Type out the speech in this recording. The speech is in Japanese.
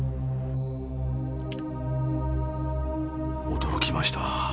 驚きました。